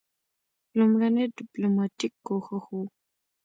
لومړنی ډیپلوماټیک کوښښ وو.